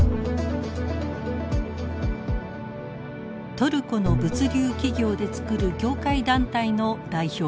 トルコの物流企業でつくる業界団体の代表です。